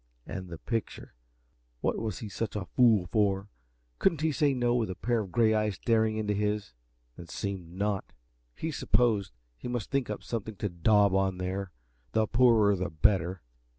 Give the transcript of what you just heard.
And the picture what was he such a fool for? Couldn't he say no with a pair of gray eyes staring into his? It seemed not. He supposed he must think up something to daub on there the poorer the better.